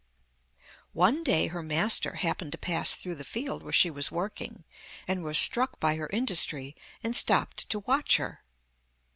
One day her master happened to pass through the field where she was working, and was struck by her industry and stopped to watch her.